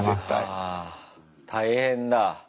あ大変だ。